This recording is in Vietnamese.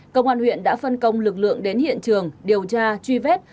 công an huyện đã phân công lực lượng đến hiện trường điều tra truy vết